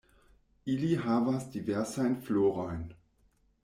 Ili havas diversajn florojn.